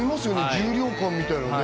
重量感みたいなね